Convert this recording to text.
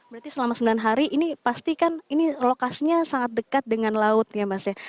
berarti selama sembilan hari ini pasti kan ini lokasinya sangat dekat dengan laut ya mas ya